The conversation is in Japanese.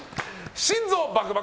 心臓バクバク！